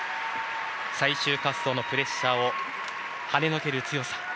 最終滑走のプレッシャーをはねのける強さ。